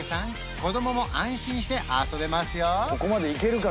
子供も安心して遊べますよ